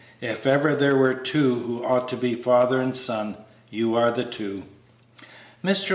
If ever there were two who ought to be father and son, you are the two." Mr.